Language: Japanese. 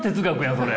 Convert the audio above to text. それ。